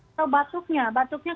atau batuknya batuknya